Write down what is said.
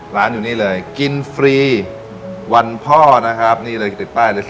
ร้านอยู่นี่เลยกินฟรีวันพ่อนะครับนี่เลยติดป้ายเลย